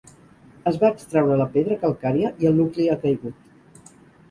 Es va extraure la pedra calcària i el nucli ha caigut.